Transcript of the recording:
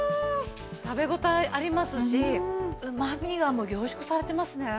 食べ応えありますしうまみがもう凝縮されてますね。